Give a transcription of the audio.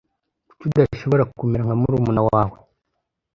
Kuki udashobora kumera nka murumuna wawe?